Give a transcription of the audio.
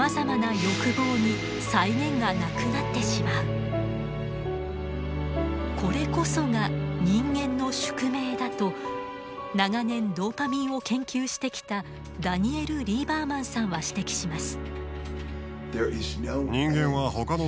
強いこれこそが人間の宿命だと長年ドーパミンを研究してきたダニエル・リーバーマンさんは指摘します。